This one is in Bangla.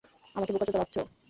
আমাকে বোকাচোদা ভাবছো?